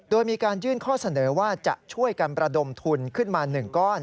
โดยมีการยื่นข้อเสนอว่าจะช่วยกันประดมทุนขึ้นมา๑ก้อน